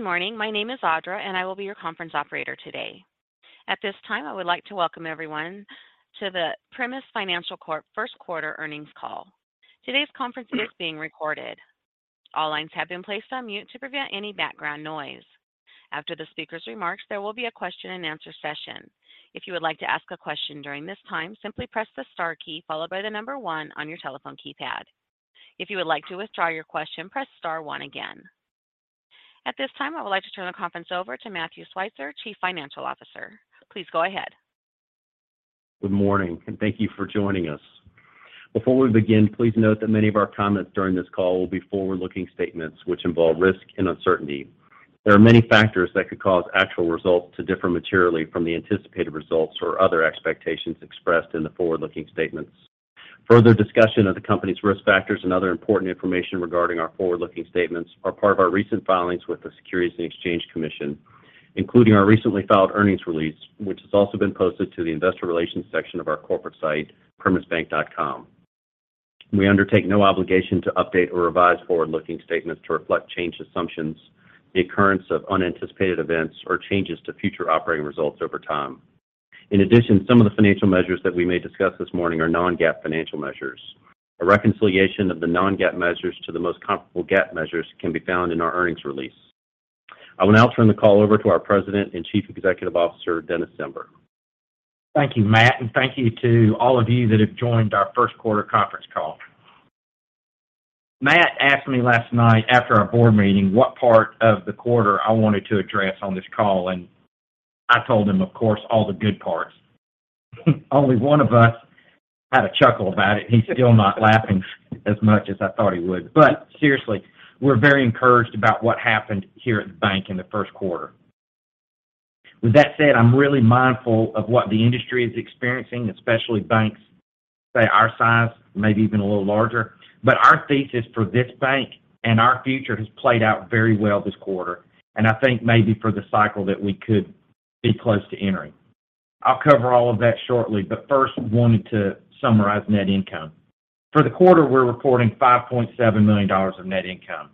Good morning. My name is Audra, and I will be your conference operator today. At this time, I would like to welcome everyone to the Primis Financial Corp First Quarter Earnings Call. Today's conference is being recorded. All lines have been placed on mute to prevent any background noise. After the speaker's remarks, there will be a question-and-answer session. If you would like to ask a question during this time, simply press the star key followed by the number one on your telephone keypad. If you would like to withdraw your question, press star one again. At this time, I would like to turn the conference over to Matthew Switzer, Chief Financial Officer. Please go ahead. Good morning, and thank you for joining us. Before we begin, please note that many of our comments during this call will be forward-looking statements which involve risk and uncertainty. There are many factors that could cause actual results to differ materially from the anticipated results or other expectations expressed in the forward-looking statements. Further discussion of the company's risk factors and other important information regarding our forward-looking statements are part of our recent filings with the Securities and Exchange Commission, including our recently filed earnings release, which has also been posted to the investor relations section of our corporate site, primisbank.com. We undertake no obligation to update or revise forward-looking statements to reflect changed assumptions, the occurrence of unanticipated events, or changes to future operating results over time. In addition, some of the financial measures that we may discuss this morning are non-GAAP financial measures. A reconciliation of the non-GAAP measures to the most comparable GAAP measures can be found in our earnings release. I will now turn the call over to our President and Chief Executive Officer, Dennis Zember. Thank you, Matt, and thank you to all of you that have joined our first quarter conference call. Matt asked me last night after our board meeting what part of the quarter I wanted to address on this call, and I told him, of course, all the good parts. Only one of us had a chuckle about it. He's still not laughing as much as I thought he would. Seriously, we're very encouraged about what happened here at the bank in the first quarter. With that said, I'm really mindful of what the industry is experiencing, especially banks, say, our size, maybe even a little larger. Our thesis for this bank and our future has played out very well this quarter, and I think maybe for the cycle that we could be close to entering. I'll cover all of that shortly, but first wanted to summarize net income. For the quarter, we're reporting $5.7 million of net income.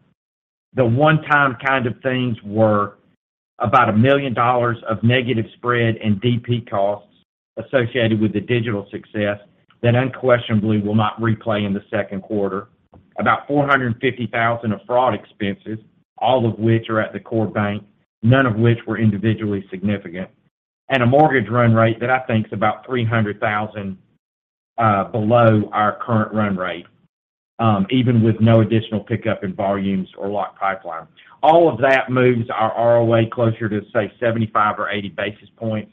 The one-time kind of things were about $1 million of negative spread and DP costs associated with the digital success that unquestionably will not replay in the second quarter. About $450,000 of fraud expenses, all of which are at the core bank, none of which were individually significant. A mortgage run rate that I think is about $300,000 below our current run rate, even with no additional pickup in volumes or lock pipeline. All of that moves our ROA closer to, say, 75 or 80 basis points,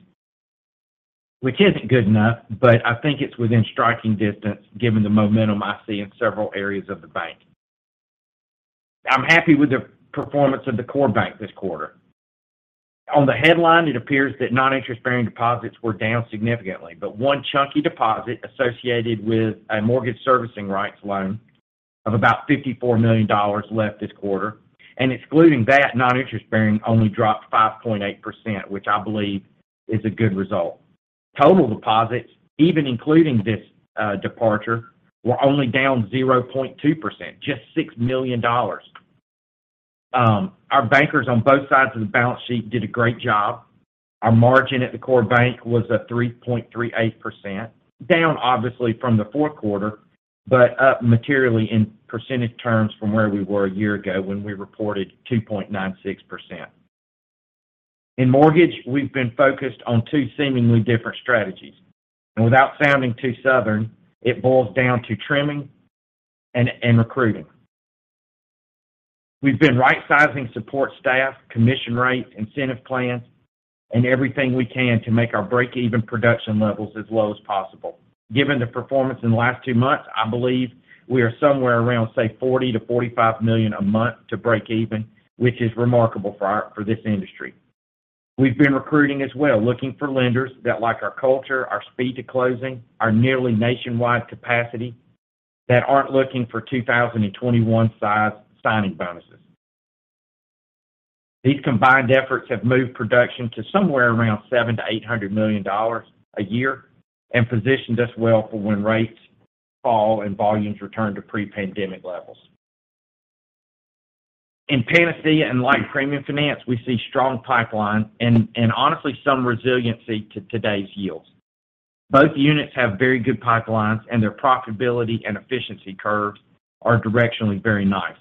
which isn't good enough, but I think it's within striking distance given the momentum I see in several areas of the bank. I'm happy with the performance of the core bank this quarter. On the headline, it appears that non-interest-bearing deposits were down significantly. One chunky deposit associated with a mortgage servicing rights loan of about $54 million left this quarter. Excluding that, non-interest-bearing only dropped 5.8%, which I believe is a good result. Total deposits, even including this departure, were only down 0.2%, just $6 million. Our bankers on both sides of the balance sheet did a great job. Our margin at the core bank was at 3.38%, down obviously from the fourth quarter, but up materially in percentage terms from where we were a year ago when we reported 2.96%. In mortgage, we've been focused on two seemingly different strategies. Without sounding too Southern, it boils down to trimming and recruiting. We've been right-sizing support staff, commission rates, incentive plans, and everything we can to make our break-even production levels as low as possible. Given the performance in the last two months, I believe we are somewhere around, say, $40 million-$45 million a month to break even, which is remarkable for this industry. We've been recruiting as well, looking for lenders that like our culture, our speed to closing, our nearly nationwide capacity, that aren't looking for 2021 size signing bonuses. These combined efforts have moved production to somewhere around $700 million-$800 million a year and positioned us well for when rates fall and volumes return to pre-pandemic levels. In Panacea and Life Premium Finance, we see strong pipeline and honestly some resiliency to today's yields. Both units have very good pipelines, and their profitability and efficiency curves are directionally very nice.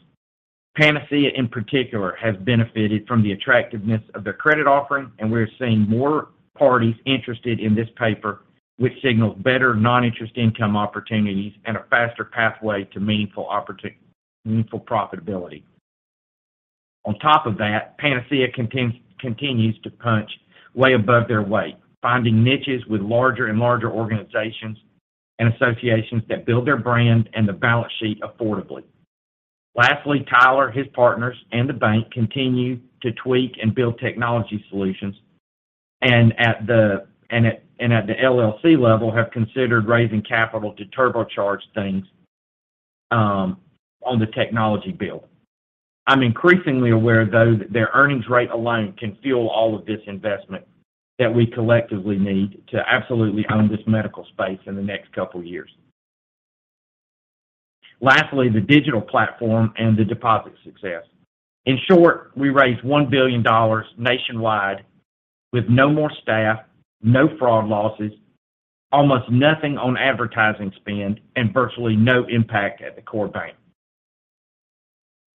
Panacea, in particular, has benefited from the attractiveness of their credit offering, and we're seeing more parties interested in this paper, which signals better non-interest income opportunities and a faster pathway to meaningful profitability. On top of that, Panacea continues to punch way above their weight, finding niches with larger and larger organizations and associations that build their brand and the balance sheet affordably. Lastly, Tyler, his partners, and the bank continue to tweak and build technology solutions, and at the LLC level have considered raising capital to turbocharge things on the technology build. I'm increasingly aware, though, that their earnings rate alone can fuel all of this investment that we collectively need to absolutely own this medical space in the next couple years. The digital platform and the deposit success. In short, we raised $1 billion nationwide with no more staff, no fraud losses, almost nothing on advertising spend, and virtually no impact at the core bank.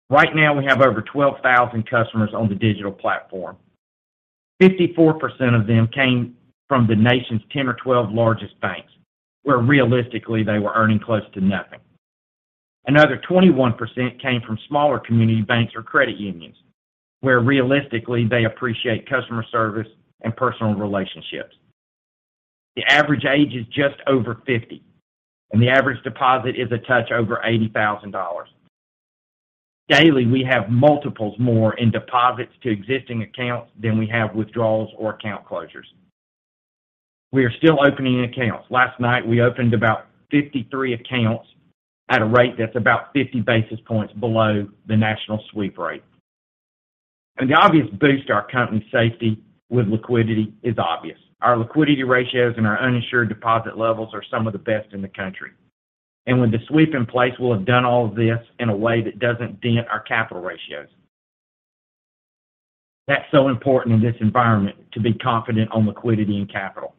Right now, we have over 12,000 customers on the digital platform. 54% of them came from the nation's 10 or 12 largest banks, where realistically, they were earning close to nothing. Another 21% came from smaller community banks or credit unions, where realistically, they appreciate customer service and personal relationships. The average age is just over 50, and the average deposit is a touch over $80,000. Daily, we have multiples more in deposits to existing accounts than we have withdrawals or account closures. We are still opening accounts. Last night, we opened about 53 accounts at a rate that's about 50 basis points below the national sweep rate. The obvious boost to our company safety with liquidity is obvious. Our liquidity ratios and our uninsured deposit levels are some of the best in the country. With the sweep in place, we'll have done all of this in a way that doesn't dent our capital ratios. That's so important in this environment to be confident on liquidity and capital.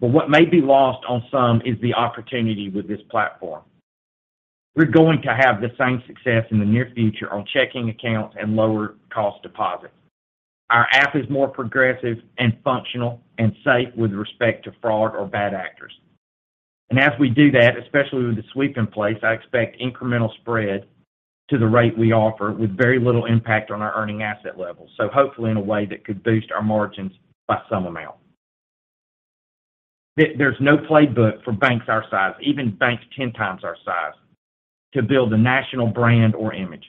What may be lost on some is the opportunity with this platform. We're going to have the same success in the near future on checking accounts and lower cost deposits. Our app is more progressive and functional and safe with respect to fraud or bad actors. As we do that, especially with the sweep in place, I expect incremental spread to the rate we offer with very little impact on our earning asset levels. Hopefully in a way that could boost our margins by some amount. There's no playbook for banks our size, even banks 10 times our size, to build a national brand or image.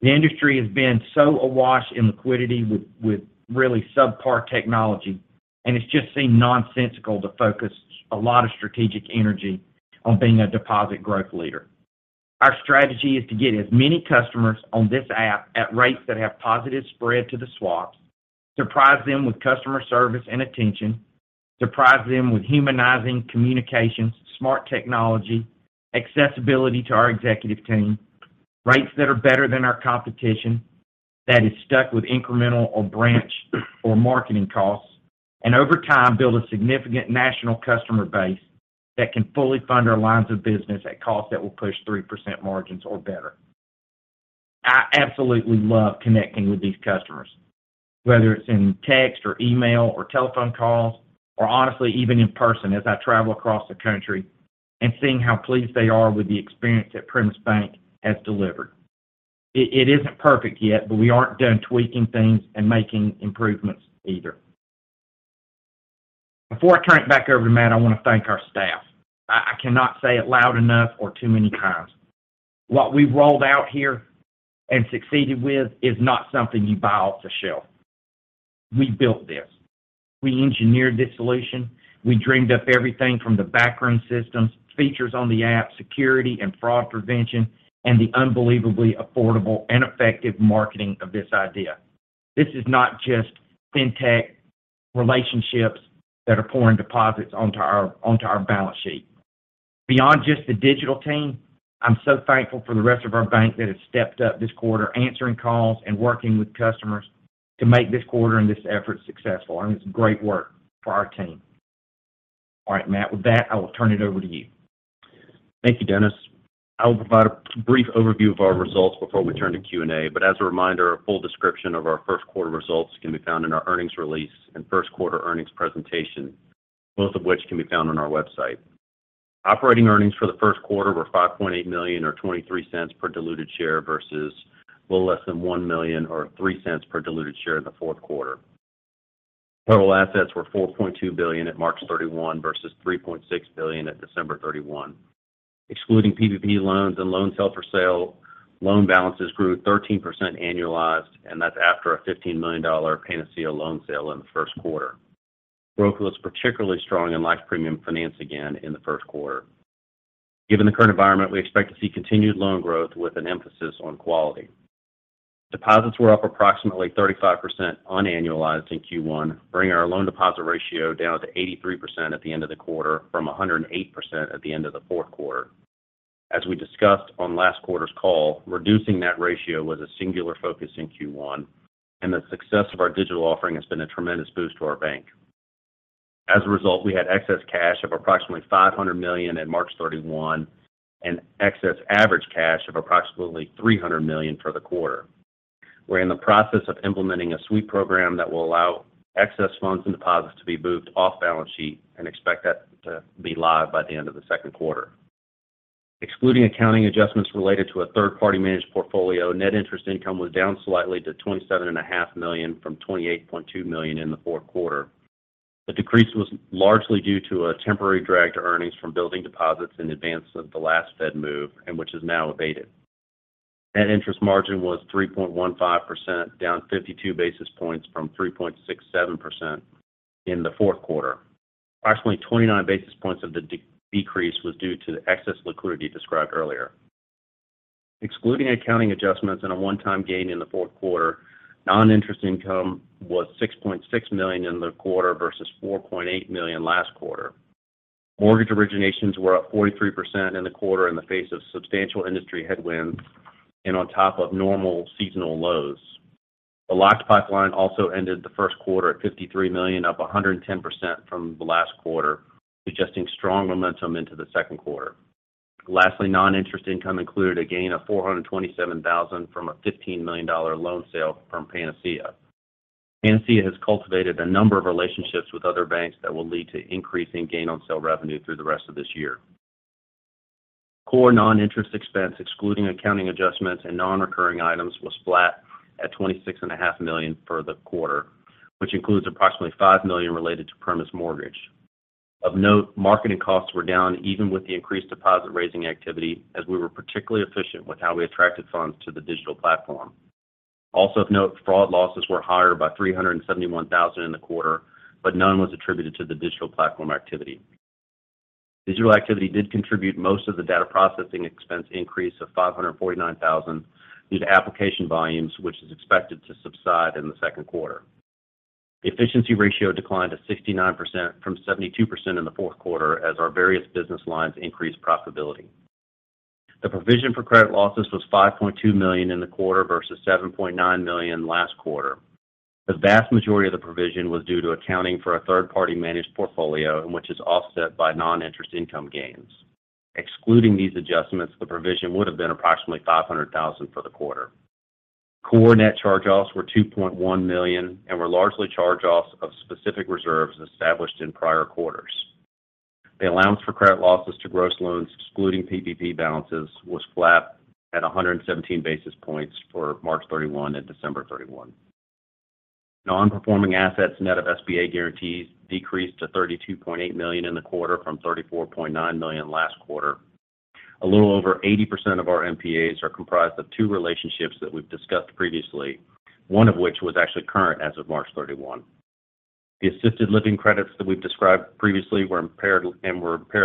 The industry has been so awash in liquidity with really subpar technology, and it's just seemed nonsensical to focus a lot of strategic energy on being a deposit growth leader. Our strategy is to get as many customers on this app at rates that have positive spread to the swaps, surprise them with customer service and attention, surprise them with humanizing communications, smart technology, accessibility to our executive team, rates that are better than our competition that is stuck with incremental or branch or marketing costs, and over time build a significant national customer base that can fully fund our lines of business at costs that will push 3% margins or better. I absolutely love connecting with these customers, whether it's in text or email or telephone calls, or honestly, even in person as I travel across the country and seeing how pleased they are with the experience that Primis Bank has delivered. It isn't perfect yet, we aren't done tweaking things and making improvements either. Before I turn it back over to Matt, I want to thank our staff. I cannot say it loud enough or too many times. What we've rolled out here and succeeded with is not something you buy off the shelf. We built this. We engineered this solution. We dreamed up everything from the backroom systems, features on the app, security and fraud prevention, and the unbelievably affordable and effective marketing of this idea. This is not just fintech relationships that are pouring deposits onto our balance sheet. Beyond just the digital team, I'm so thankful for the rest of our bank that has stepped up this quarter, answering calls and working with customers to make this quarter and this effort successful, and it's great work for our team. All right, Matt, with that, I will turn it over to you. Thank you, Dennis. I will provide a brief overview of our results before we turn to Q&A. As a reminder, a full description of our first quarter results can be found in our earnings release and first quarter earnings presentation, both of which can be found on our website. Operating earnings for the first quarter were $5.8 million or $0.23 per diluted share versus a little less than $1 million or $0.03 per diluted share in the fourth quarter. Total assets were $4.2 billion at March 31 versus $3.6 billion at December 31. Excluding PPP loans and loans held for sale, loan balances grew 13% annualized, and that's after a $15 million Panacea loan sale in the first quarter. Growth was particularly strong in Life Premium Finance again in the first quarter. Given the current environment, we expect to see continued loan growth with an emphasis on quality. Deposits were up approximately 35% unannualized in Q1, bringing our loan-to-deposit ratio down to 83% at the end of the quarter from 108% at the end of the fourth quarter. As we discussed on last quarter's call, reducing that ratio was a singular focus in Q1, and the success of our digital offering has been a tremendous boost to our bank. As a result, we had excess cash of approximately $500 million at March 31 and excess average cash of approximately $300 million for the quarter. We're in the process of implementing a sweep program that will allow excess funds and deposits to be moved off balance sheet and expect that to be live by the end of the second quarter. Excluding accounting adjustments related to a third-party managed portfolio, net interest income was down slightly to $27.5 million from $28.2 million in the fourth quarter. The decrease was largely due to a temporary drag to earnings from building deposits in advance of the last Fed move, which is now abated. Net interest margin was 3.15%, down 52 basis points from 3.67% in the fourth quarter. Approximately 29 basis points of the decrease was due to the excess liquidity described earlier. Excluding accounting adjustments and a one-time gain in the fourth quarter, non-interest income was $6.6 million in the quarter versus $4.8 million last quarter. Mortgage originations were up 43% in the quarter in the face of substantial industry headwinds and on top of normal seasonal lows. The locked pipeline also ended the first quarter at $53 million, up 110% from the last quarter, suggesting strong momentum into the second quarter. Lastly, non-interest income included a gain of $427,000 from a $15 million loan sale from Panacea. Panacea has cultivated a number of relationships with other banks that will lead to increasing gain on sale revenue through the rest of this year. Core non-interest expense, excluding accounting adjustments and non-recurring items, was flat at twenty-six and a half million for the quarter, which includes approximately $5 million related to Primis Mortgage. Of note, marketing costs were down even with the increased deposit-raising activity, as we were particularly efficient with how we attracted funds to the digital platform. Of note, fraud losses were higher by $371,000 in the quarter, none was attributed to the digital platform activity. Digital activity did contribute most of the data processing expense increase of $549,000 due to application volumes, which is expected to subside in the second quarter. Efficiency ratio declined to 69% from 72% in the fourth quarter as our various business lines increased profitability. The provision for credit losses was $5.2 million in the quarter versus $7.9 million last quarter. The vast majority of the provision was due to accounting for a third-party managed portfolio, which is offset by non-interest income gains. Excluding these adjustments, the provision would have been approximately $500,000 for the quarter. Core net charge-offs were $2.1 million and were largely charge-offs of specific reserves established in prior quarters. The allowance for credit losses to gross loans, excluding PPP balances, was flat at 117 basis points for March 31 and December 31. Non-performing assets net of SBA guarantees decreased to $32.8 million in the quarter from $34.9 million last quarter. A little over 80% of our NPAs are comprised of two relationships that we've discussed previously, one of which was actually current as of March 31. The assisted living credits that we've described previously were impaired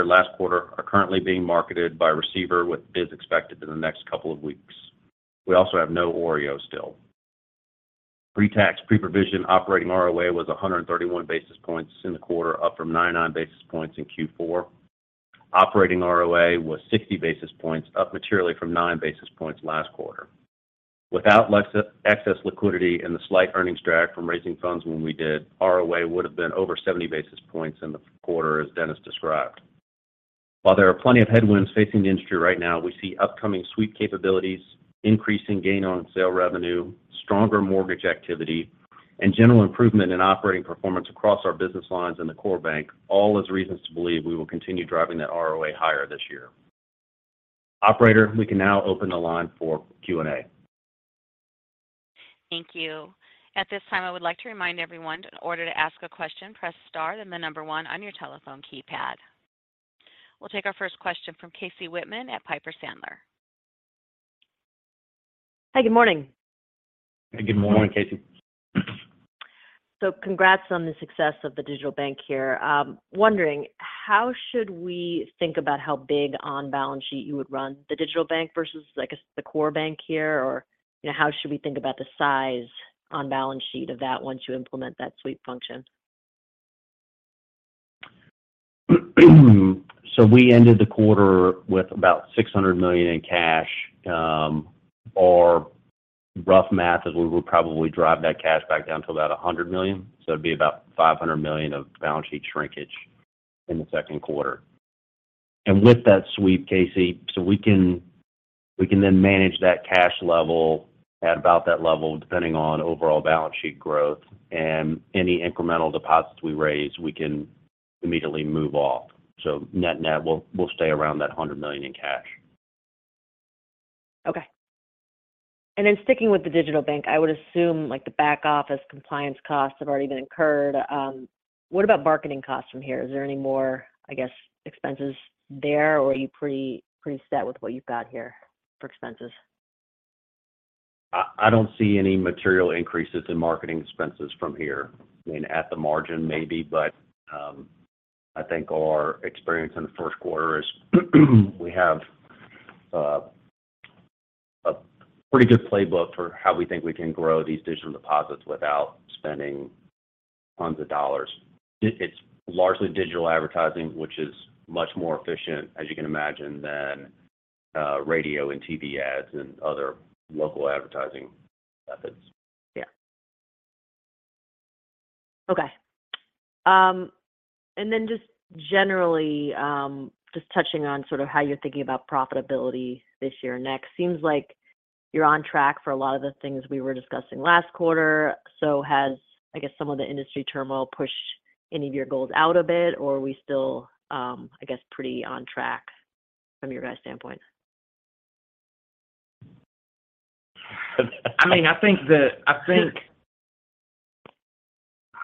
last quarter are currently being marketed by a receiver with bids expected in the next couple of weeks. We also have no OREO still. Pre-tax, pre-provision operating ROA was 131 basis points in the quarter, up from 99 basis points in Q4. Operating ROA was 60 basis points, up materially from 9 basis points last quarter. Without excess liquidity and the slight earnings drag from raising funds when we did, ROA would have been over 70 basis points in the quarter, as Dennis described. There are plenty of headwinds facing the industry right now, we see upcoming sweep capabilities, increasing gain on sale revenue, stronger mortgage activity, and general improvement in operating performance across our business lines in the core bank, all as reasons to believe we will continue driving that ROA higher this year. Operator, we can now open the line for Q&A. Thank you. At this time, I would like to remind everyone that in order to ask a question, press star then the number one on your telephone keypad. We'll take our first question from Casey Whitman at Piper Sandler. Hi, good morning. Good morning, Casey. Congrats on the success of the digital bank here. Wondering how should we think about how big on balance sheet you would run the digital bank versus, I guess, the core bank here? You know, how should we think about the size on balance sheet of that once you implement that sweep function? We ended the quarter with about $600 million in cash. Our rough math is we will probably drive that cash back down to about $100 million. It'd be about $500 million of balance sheet shrinkage in the second quarter. With that sweep, Casey, we can then manage that cash level at about that level, depending on overall balance sheet growth. Any incremental deposits we raise, we can immediately move off. Net-net, we'll stay around that $100 million in cash. Okay. Sticking with the digital bank, I would assume like the back office compliance costs have already been incurred. What about marketing costs from here? Is there any more, I guess, expenses there, or are you pretty set with what you've got here for expenses? I don't see any material increases in marketing expenses from here. I mean, at the margin maybe, but, I think our experience in the first quarter is we have a pretty good playbook for how we think we can grow these digital deposits without spending tons of dollars. It's largely digital advertising, which is much more efficient, as you can imagine, than radio and TV ads and other local advertising methods. Yeah. Okay. Just generally, just touching on sort of how you're thinking about profitability this year and next. Seems like you're on track for a lot of the things we were discussing last quarter. Has, I guess, some of the industry turmoil pushed any of your goals out a bit, or are we still, I guess, pretty on track from your guys' standpoint?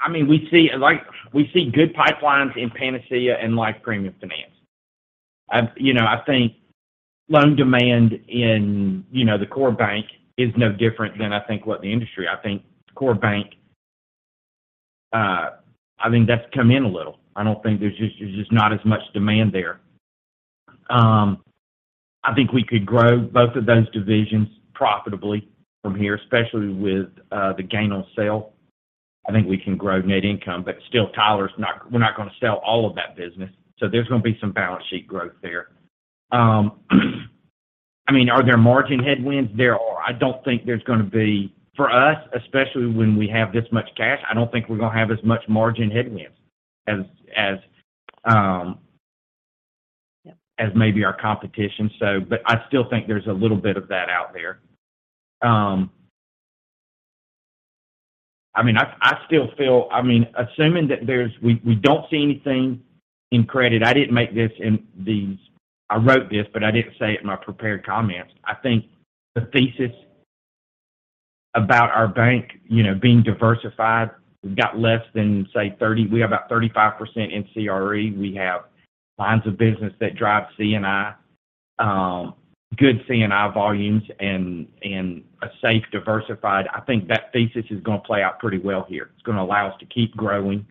I mean, we see good pipelines in Panacea and Life Premium Finance. I, you know, I think loan demand in, you know, the core bank is no different than I think what the industry. I think that's come in a little. I don't think there's just not as much demand there. I think we could grow both of those divisions profitably from here, especially with the gain on sale. I think we can grow net income, but still we're not gonna sell all of that business, so there's gonna be some balance sheet growth there. I mean, are there margin headwinds? There are. I don't think there's gonna be for us, especially when we have this much cash, I don't think we're gonna have as much margin headwinds as. Yeah... as maybe our competition. But I still think there's a little bit of that out there. I mean, I still feel, I mean, assuming that we don't see anything in credit. I didn't make this. I wrote this, but I didn't say it in my prepared comments. I think the thesis about Primis Bank, you know, being diversified, we have about 35% in CRE. We have lines of business that drive C&I, good C&I volumes and a safe diversified. I think that thesis is gonna play out pretty well here. It's gonna allow us to keep growing,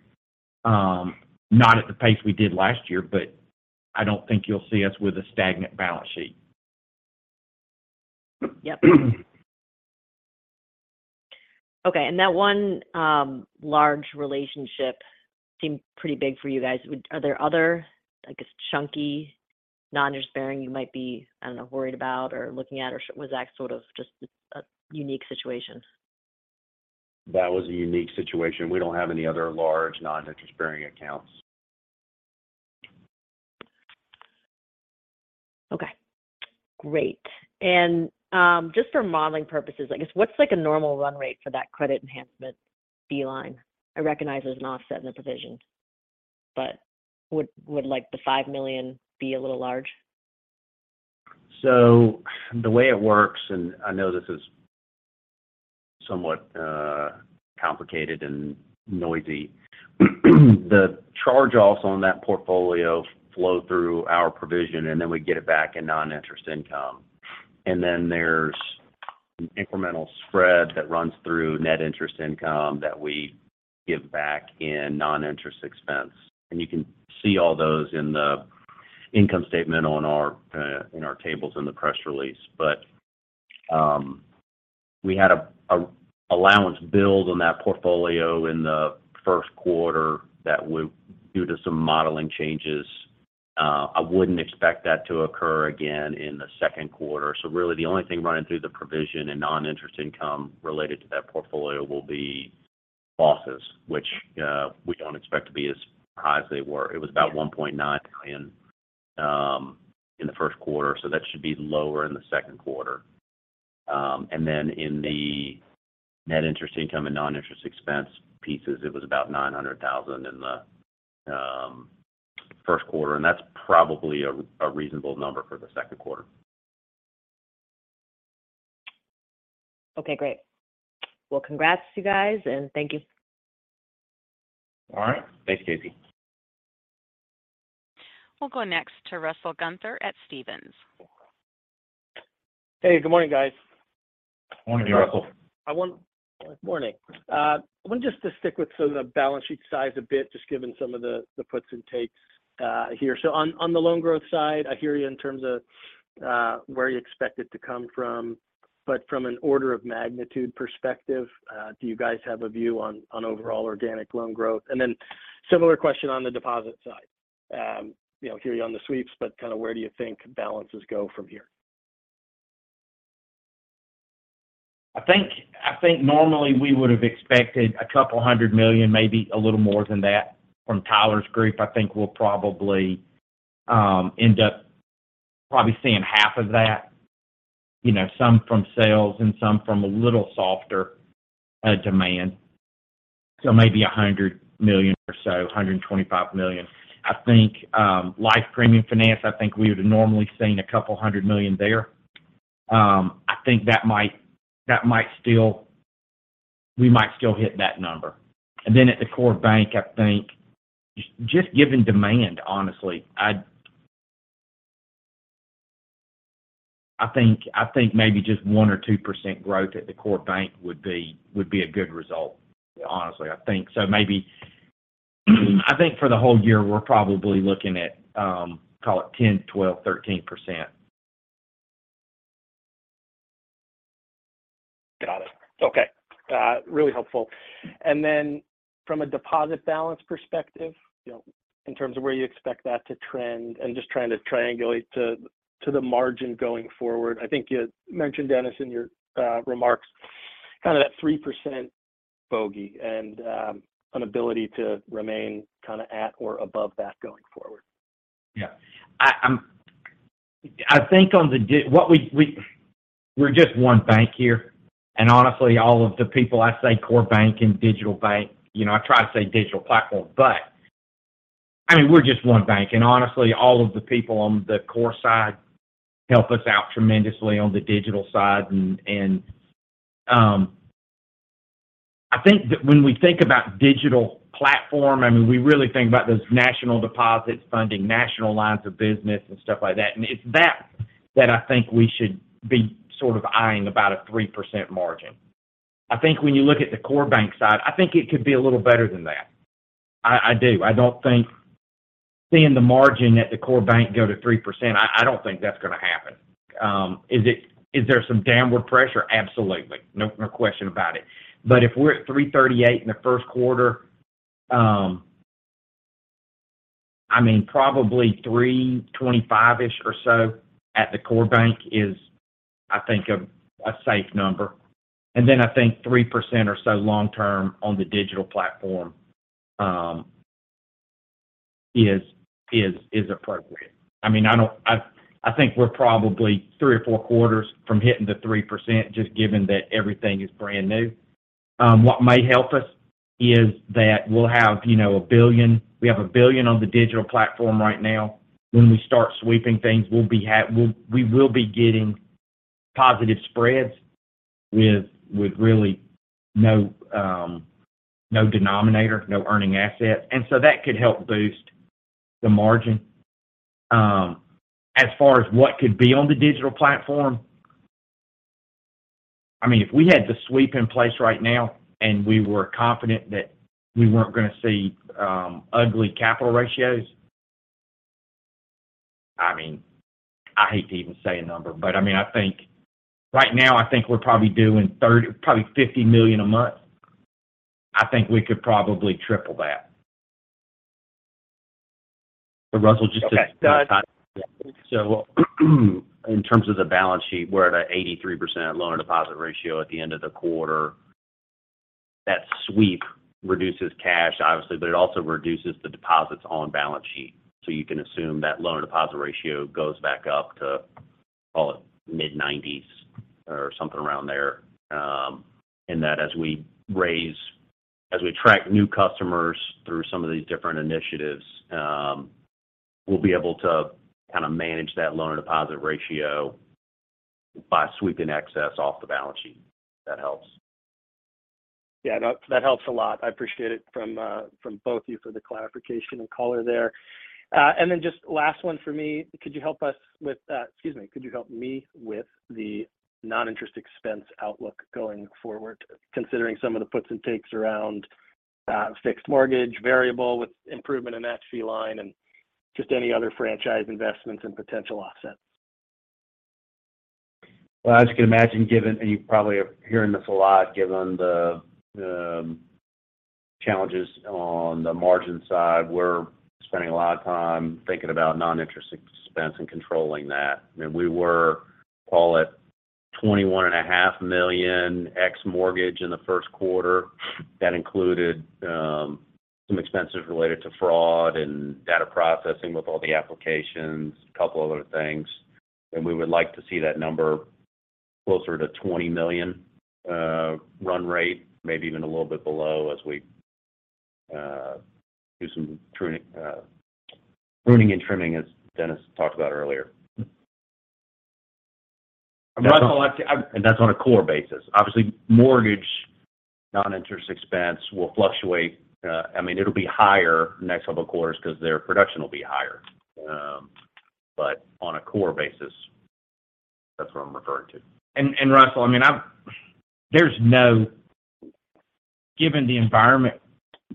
not at the pace we did last year, but I don't think you'll see us with a stagnant balance sheet. Yep. Okay. That one, large relationship seemed pretty big for you guys. Are there other, I guess, chunky non-interest bearing you might be, I don't know, worried about or looking at, or was that sort of just a unique situation? That was a unique situation. We don't have any other large non-interest-bearing accounts. Okay. Great. Just for modeling purposes, I guess, what's like a normal run rate for that credit enhancement fee line? I recognize there's an offset in the provisions, but would like the $5 million be a little large? The way it works, and I know this is somewhat complicated and noisy, the charge-offs on that portfolio flow through our provision, we get it back in non-interest income. There's an incremental spread that runs through net interest income that we give back in non-interest expense. You can see all those in the income statement on our in our tables in the press release. We had a allowance build on that portfolio in the first quarter that due to some modeling changes. I wouldn't expect that to occur again in the second quarter. The only thing running through the provision and non-interest income related to that portfolio will be losses, which we don't expect to be as high as they were. It was about $1.9 million in the first quarter, so that should be lower in the second quarter. In the net interest income and non-interest expense pieces, it was about $900,000 in the first quarter, and that's probably a reasonable number for the second quarter. Okay, great. Well, congrats you guys and thank you. All right. Thanks, Casey. We'll go next to Russell Gunther at Stephens. Hey, good morning, guys. Morning to you, Russell. Morning. I want just to stick with some of the balance sheet size a bit, just given some of the puts and takes here. On the loan growth side, I hear you in terms of where you expect it to come from, but from an order of magnitude perspective, do you guys have a view on overall organic loan growth? Similar question on the deposit side. you know, hear you on the sweeps, but kind of where do you think balances go from here? I think normally we would have expected $200 million, maybe a little more than that from Tyler's group. I think we'll probably end up seeing half of that, you know, some from sales and some from a little softer demand. Maybe $100 million or so, $125 million. I think Life Premium Finance, I think we would have normally seen $200 million there. I think that might still hit that number. At the core bank, I think just given demand, honestly, I think maybe just 1% or 2% growth at the core bank would be a good result, honestly. I think so maybe for the whole year, we're probably looking at, call it 10%-12%, 13%. Got it. Okay. Really helpful. From a deposit balance perspective, you know, in terms of where you expect that to trend and just trying to triangulate to the margin going forward, I think you mentioned, Dennis, in your remarks kind of that 3% bogey and an ability to remain kind of at or above that going forward. Yeah. I'm I think on the what we're just one bank here. Honestly, all of the people I say core bank and digital bank, you know, I try to say digital platform, but I mean, we're just one bank. Honestly, all of the people on the core side help us out tremendously on the digital side. I think that when we think about digital platform, I mean, we really think about those national deposits funding national lines of business and stuff like that. It's that I think we should be sort of eyeing about a 3% margin. I think when you look at the core bank side, I think it could be a little better than that. I do. I don't think seeing the margin at the core bank go to 3%, I don't think that's gonna happen. Is there some downward pressure? Absolutely. No question about it. If we're at 3.38% in the first quarter, I mean, probably 3.25%-ish or so at the core bank is I think a safe number. I think 3% or so long term on the digital platform is appropriate. I mean, I think we're probably three or four quarters from hitting the 3%, just given that everything is brand new. What may help us is that we'll have, you know, $1 billion. We have $1 billion on the digital platform right now. When we start sweeping things, we will be getting positive spreads with really no denominator, no earning asset, that could help boost the margin. As far as what could be on the digital platform, I mean, if we had the sweep in place right now, and we were confident that we weren't gonna see, ugly capital ratios, I mean, I hate to even say a number, but I mean, I think right now I think we're probably doing 30, probably $50 million a month. I think we could probably triple that. Russell just said- In terms of the balance sheet, we're at a 83% loan-to-deposit ratio at the end of the quarter. That sweep reduces cash, obviously, but it also reduces the deposits on balance sheet. You can assume that loan-to-deposit ratio goes back up to, call it, mid-90s or something around there. And that as we raise, as we attract new customers through some of these different initiatives, we'll be able to kind of manage that loan-to-deposit ratio by sweeping excess off the balance sheet if that helps. Yeah. That helps a lot. I appreciate it from both of you for the clarification and color there. Just last one for me. Could you help us with... excuse me. Could you help me with the non-interest expense outlook going forward, considering some of the puts and takes around fixed mortgage, variable with improvement in that fee line and just any other franchise investments and potential offsets? Well, as you can imagine, given, and you probably are hearing this a lot, given the challenges on the margin side, we're spending a lot of time thinking about non-interest expense and controlling that. I mean, we were, call it, $21.5 million ex mortgage in the first quarter. That included some expenses related to fraud and data processing with all the applications, a couple other things. We would like to see that number closer to $20 million run rate, maybe even a little bit below as we do some pruning and trimming, as Dennis Zember talked about earlier. Russell. That's on a core basis. Obviously, mortgage non-interest expense will fluctuate. I mean, it'll be higher the next couple of quarters because their production will be higher. On a core basis, that's what I'm referring to. Russell, I mean, given the environment,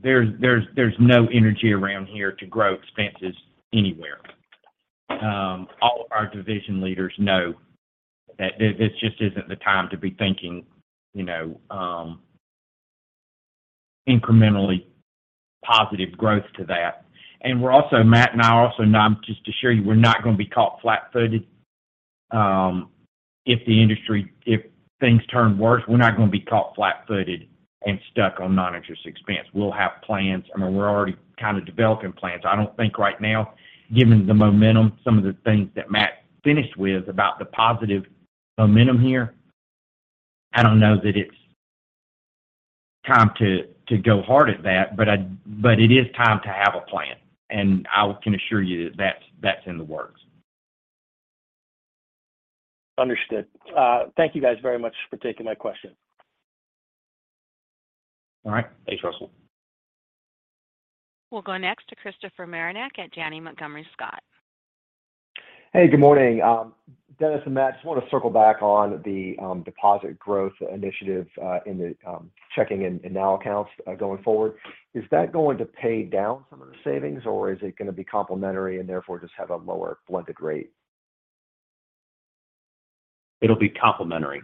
there's no energy around here to grow expenses anywhere. All our division leaders know that this just isn't the time to be thinking, you know, incrementally positive growth to that. We're also, Matt and I are not, just to assure you, we're not gonna be caught flat-footed if things turn worse. We're not gonna be caught flat-footed and stuck on non-interest expense. We'll have plans. I mean, we're already kind of developing plans. I don't think right now, given the momentum, some of the things that Matt finished with about the positive momentum here, I don't know that it's time to go hard at that, but it is time to have a plan, and I can assure you that that's in the works. Understood. Thank you guys very much for taking my question. All right. Thanks, Russell. We'll go next to Christopher Marinac at Janney Montgomery Scott. Hey, good morning. Dennis and Matt, just want to circle back on the deposit growth initiative in the checking in now accounts going forward. Is that going to pay down some of the savings, or is it gonna be complementary and therefore just have a lower blended rate? It'll be complementary,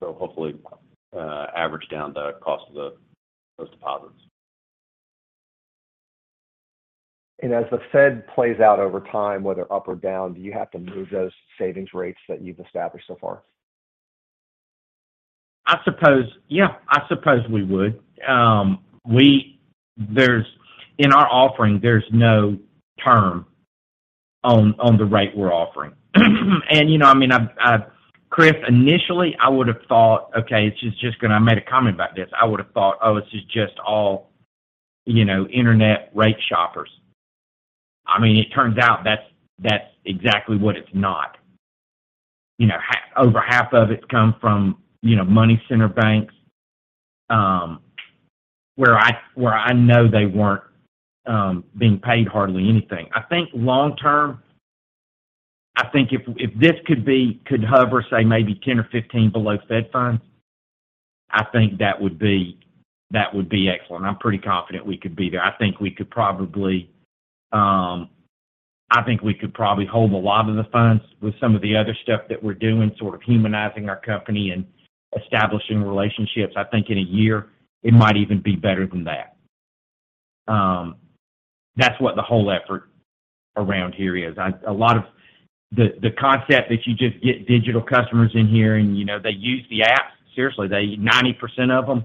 so hopefully, average down the cost of the, those deposits. As the Fed plays out over time, whether up or down, do you have to move those savings rates that you've established so far? I suppose, yeah, I suppose we would. there's, in our offering, there's no term on the rate we're offering. You know, I mean, Chris, initially, I would have thought, okay, I made a comment about this. I would have thought, oh, this is just all, you know, internet rate shoppers. I mean, it turns out that's exactly what it's not. You know, over half of it's come from, you know, money center banks, where I know they weren't being paid hardly anything. I think long term, I think if this could hover, say, maybe 10 or 15 below Fed Funds, I think that would be excellent. I'm pretty confident we could be there. I think we could probably. I think we could probably hold a lot of the funds with some of the other stuff that we're doing, sort of humanizing our company and establishing relationships. I think in a year, it might even be better than that. That's what the whole effort around here is. A lot of the concept that you just get digital customers in here and, you know, they use the app. Seriously, they 90% of them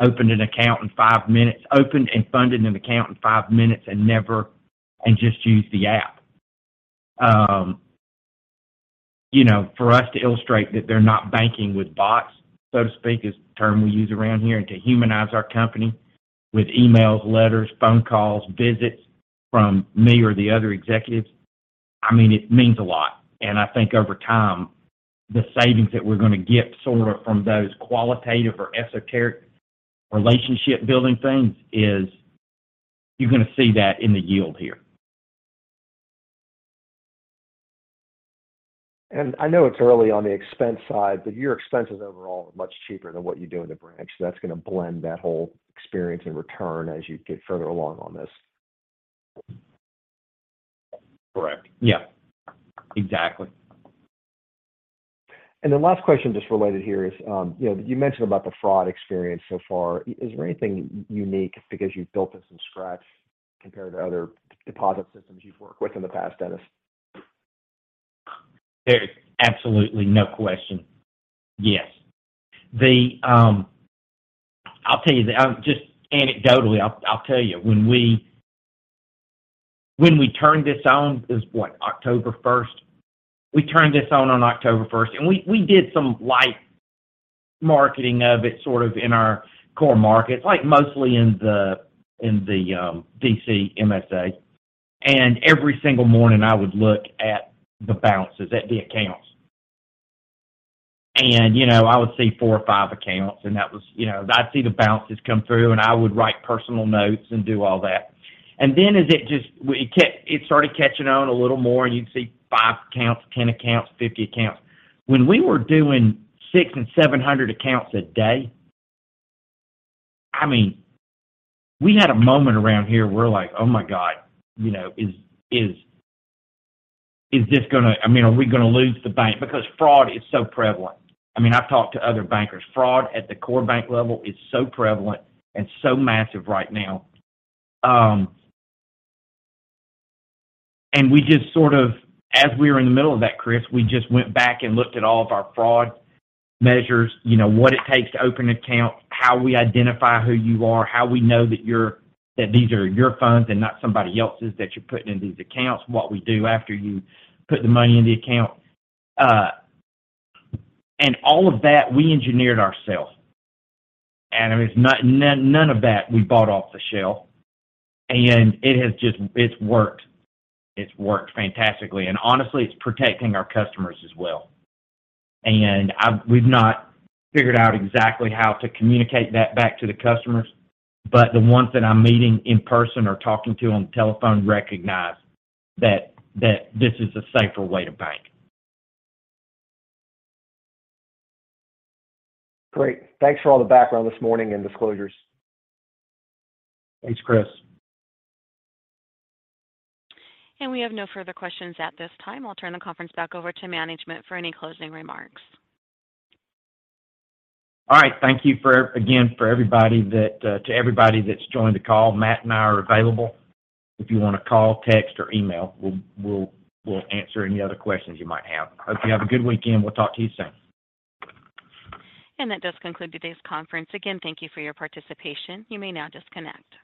opened an account in 5 minutes, opened and funded an account in 5 minutes and never and just used the app. You know, for us to illustrate that they're not banking with bots, so to speak, is the term we use around here, and to humanize our company with emails, letters, phone calls, visits from me or the other executives, I mean, it means a lot. I think over time, the savings that we're going to get sort of from those qualitative or esoteric relationship-building things is you're going to see that in the yield here. I know it's early on the expense side, but your expenses overall are much cheaper than what you do in the branch. That's going to blend that whole experience and return as you get further along on this. Correct. Yeah. Exactly. The last question just related here is, you know, you mentioned about the fraud experience so far. Is there anything unique because you've built this from scratch compared to other deposit systems you've worked with in the past, Dennis? There is absolutely no question. Yes. The, I'll tell you, just anecdotally, when we turned this on, it was, what? October 1st. We turned this on on October 1st, we did some light marketing of it, sort of in our core markets, like mostly in the D.C. MSA. Every single morning, I would look at the balances at the accounts, and, you know, I would see 4 or 5 accounts. You know, I'd see the balances come through, and I would write personal notes and do all that. Then as it started catching on a little more, and you'd see 5 accounts, 10 accounts, 50 accounts. When we were doing 600 and 700 accounts a day, I mean, we had a moment around here we're like, "Oh my God, you know, I mean, are we gonna lose the bank?" Because fraud is so prevalent. I mean, I've talked to other bankers. Fraud at the core bank level is so prevalent and so massive right now. We just sort of as we were in the middle of that, Chris, we just went back and looked at all of our fraud measures. You know, what it takes to open account, how we identify who you are, how we know that these are your funds and not somebody else's that you're putting in these accounts, what we do after you put the money in the account. All of that we engineered ourselves. It's none, none of that we bought off the shelf. It has just... it's worked. It's worked fantastically. Honestly, it's protecting our customers as well. We've not figured out exactly how to communicate that back to the customers, but the ones that I'm meeting in person or talking to on the telephone recognize that this is a safer way to bank. Great. Thanks for all the background this morning and disclosures. Thanks, Chris. We have no further questions at this time. I'll turn the conference back over to management for any closing remarks. All right. Thank you again, for everybody that's joined the call. Matt and I are available if you want to call, text, or email. We'll answer any other questions you might have. Hope you have a good weekend. We'll talk to you soon. That does conclude today's conference. Again, thank you for your participation. You may now disconnect.